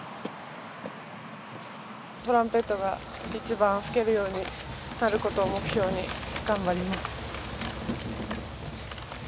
トランペットが一番吹けるようになることを目標に頑張ります。